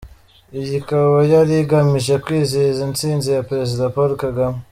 Iyi ikaba yari igamije kwizihiza intsinzi ya Parezida Paul Kagame.